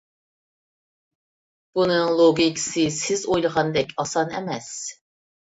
بۇنىڭ لوگىكىسى سىز ئويلىغاندەك ئاسان ئەمەس.